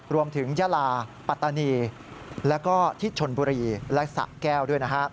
รวมถึงยาลาปัตตานีแล้วก็ทิศชนบุรีและสะแก้วด้วย